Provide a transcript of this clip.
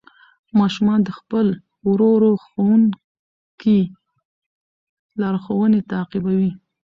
ماشومان د خپل ورو ورو ښوونکي لارښوونې تعقیبوي